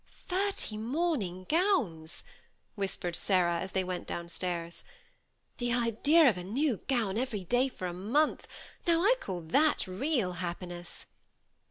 " Thirty morning gowns !" whispered Sarah, as they went down stairs. "The idea of a new gown THE SEMI ATTACHED COUPLE. 88 every day for a month ! Now I call that real happi ness."